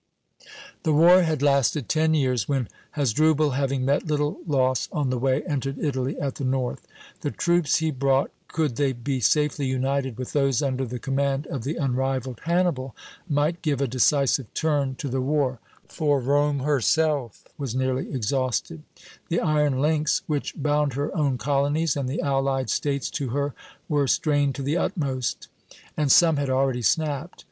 The war had lasted ten years, when Hasdrubal, having met little loss on the way, entered Italy at the north. The troops he brought, could they be safely united with those under the command of the unrivalled Hannibal, might give a decisive turn to the war, for Rome herself was nearly exhausted; the iron links which bound her own colonies and the allied States to her were strained to the utmost, and some had already snapped.